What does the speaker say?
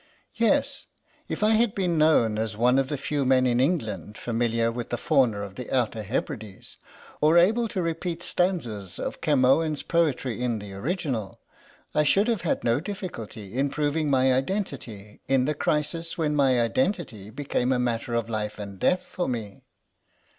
"Yes. If I had been known as one of the few men in England familiar with the fauna of the Outer Hebrides, or able to repeat I 13 14 THE LOST SANJAK stanzas of Camoens* poetry in the original, I should have had no difficulty in proving my identity in the crisis when my identity became a matter of life and death for me.